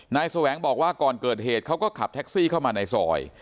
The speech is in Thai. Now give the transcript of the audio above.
แสวงบอกว่าก่อนเกิดเหตุเขาก็ขับแท็กซี่เข้ามาในซอย